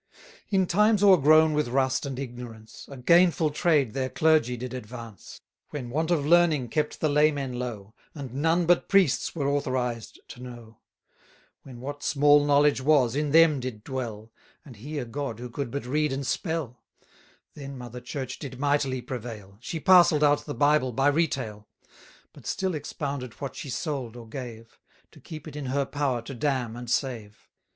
In times o'ergrown with rust and ignorance, 370 A gainful trade their clergy did advance: When want of learning kept the laymen low, And none but priests were authorised to know: When what small knowledge was, in them did dwell; And he a god, who could but read and spell: Then Mother Church did mightily prevail; She parcell'd out the Bible by retail: But still expounded what she sold or gave; To keep it in her power to damn and save.